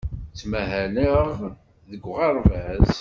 Ttmahaleɣ deg uɣerbaz.